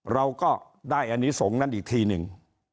เราก็ได้อันนี้สงฆ์นั้นอีกทีหนึ่ง